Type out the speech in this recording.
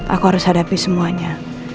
aku harus hadapi semuanya